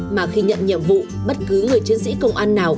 mà khi nhận nhiệm vụ bất cứ người chiến sĩ công an nào